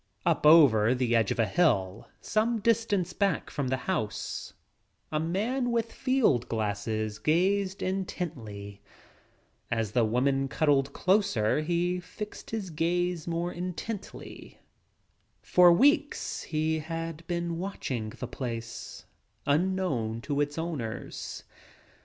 Up over the edge of a hill some distance back from the house a man with field glasses gazed in tently. As the woman cuddled closer he fixed his gaze more intently. For weeks he had been watch ing the place unknown to its owners.